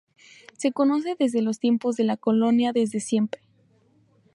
Se conoce desde los tiempos de la Colonia desde siempre.